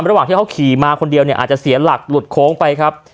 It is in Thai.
ระหว่างที่เขาขี่มาคนเดียวเนี่ยอาจจะเสียหลักหลุดโค้งไปครับ